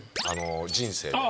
人生で。